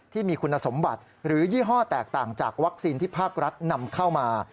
ที่มีคุณสมบัติหรือยี่ห้อแตกต่างจากวัคซีนที่ภาครัฐนำเข้ามา